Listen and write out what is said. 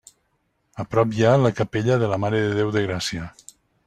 A prop hi ha la capella de la Mare de Déu de Gràcia.